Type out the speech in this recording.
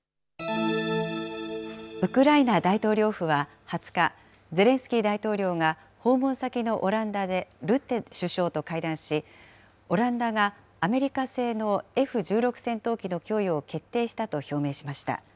ウクライナ大統領府は２０日、ゼレンスキー大統領が訪問先のオランダでルッテ首相と会談し、オランダがアメリカ製のＦ１６戦闘機の供与を決定したと表明しました。